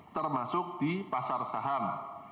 termasuk di pasar saham